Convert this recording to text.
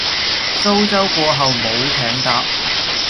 蘇州過後冇艇搭